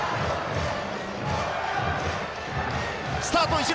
スタート！